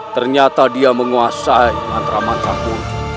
ternyata dia menguasai mantra mantra itu